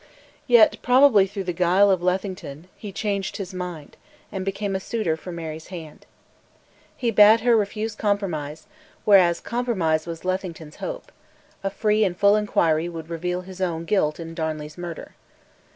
Yet, probably through the guile of Lethington, he changed his mind, and became a suitor for Mary's hand. He bade her refuse compromise, whereas compromise was Lethington's hope: a full and free inquiry would reveal his own guilt in Darnley's murder.